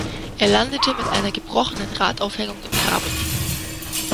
Er landete mit einer gebrochenen Radaufhängung im Graben.